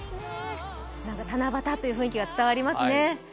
七夕という雰囲気が伝わりますね。